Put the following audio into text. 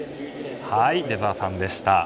出澤さんでした。